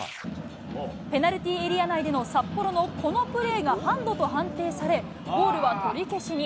ペナルティエリア内での札幌のこのプレーがハンドと判定され、ゴールは取り消しに。